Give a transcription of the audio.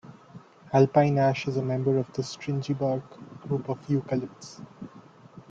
Alpine ash is a member of the Stringybark Group of eucalypts.